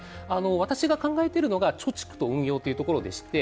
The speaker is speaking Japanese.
私が考えているのが貯蓄と運用ということでして。